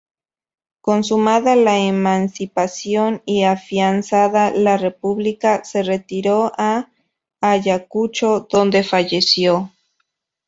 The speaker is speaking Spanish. Consumada la emancipación y afianzada la República, se retiró a Ayacucho, donde falleció.